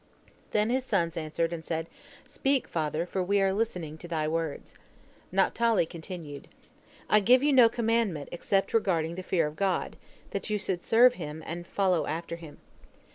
Then his sons answered, and said, "Speak, father, for we are listening to thy words." Naphtali continued: "I give you no commandment except regarding the fear of God, that you should serve Him and follow after Him."